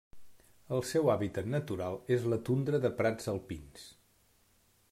El seu hàbitat natural és la tundra de prats alpins.